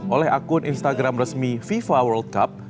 oleh akun instagram resmi fifa world cup